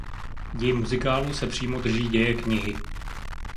Děj muzikálu se přímo drží děje knihy.